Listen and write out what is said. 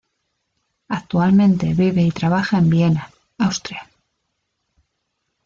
Actualmente vive y trabaja en Viena, Austria.